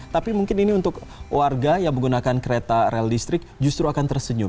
tapi mungkin ini untuk warga yang menggunakan kereta rel listrik justru akan tersenyum